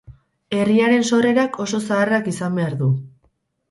Herriaren sorrerak oso zaharrak izan behar du.